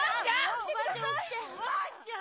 おばあちゃん！